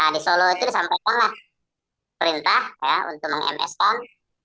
di solo itu disampaikanlah perintah untuk meng ms kan